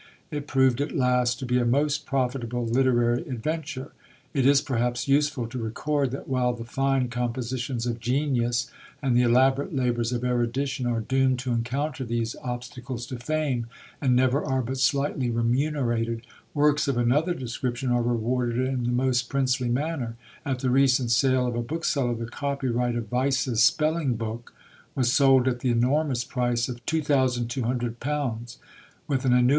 It proved at last to be a most profitable literary adventure." It is, perhaps, useful to record, that while the fine compositions of genius and the elaborate labours of erudition are doomed to encounter these obstacles to fame, and never are but slightly remunerated, works of another description are rewarded in the most princely manner; at the recent sale of a bookseller, the copyright of "Vyse's Spelling book" was sold at the enormous price of £2200, with an annuity of 50 guineas to the author! THE TURKISH SPY.